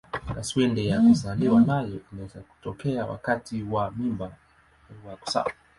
Kaswende ya kuzaliwa nayo inaweza kutokea wakati wa mimba au wa kuzaa.